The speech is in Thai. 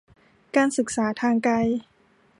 การศึกษาทางไกล